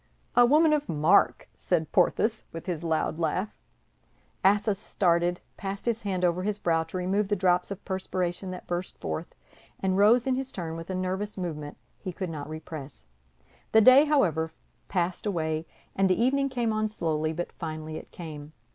"A woman of mark!" said Porthos, with his loud laugh. Athos started, passed his hand over his brow to remove the drops of perspiration that burst forth, and rose in his turn with a nervous movement he could not repress. The day, however, passed away; and the evening came on slowly, but finally it came.